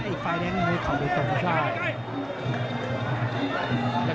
อีกฝ่ายแดงมือเขาดูตรงก็ใช่